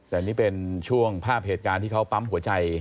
แต่นี่เป็นช่วงภาพเหตุการณ์ที่เขาปั๊มหัวใจ